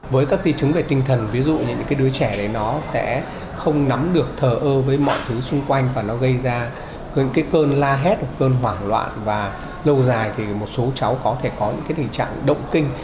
với các di chứng về tinh thần ví dụ những cái đứa trẻ đấy nó sẽ không nắm được thờ ơ với mọi thứ xung quanh và nó gây ra cơn la hét cơn hoảng loạn và lâu dài thì một số cháu có thể có những tình trạng động kinh